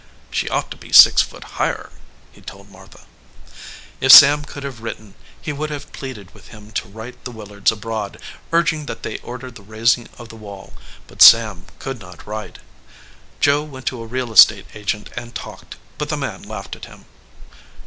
"She ought to be six foot higher," he told Martha. If Sam could have written, he would have pleaded with him to write the Willards abroad, urging that they order the raising of the wall, but 149 EDGEWATER PEOPLE Sam could not write. Joe went to a real estate agent and talked, but the man laughed at him.